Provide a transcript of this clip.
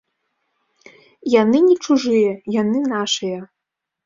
Яны не чужыя, яны нашыя.